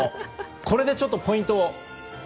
これでちょっとポイントを。